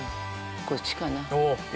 こっちかな。